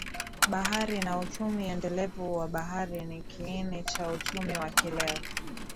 Bahari na uchumi endelevu wa bahari ni kiini cha uchumi wa kileo